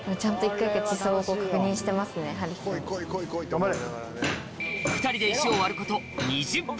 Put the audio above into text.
頑張れ！